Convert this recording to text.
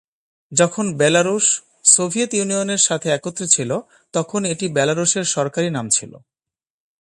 যখন Belarus, Soviet ইউনিয়নের সাথে একত্রে ছিল তখন এটি বেলারুশের সরকারি নাম ছিল।